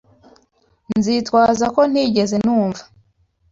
Nzitwaza ko ntigeze numva.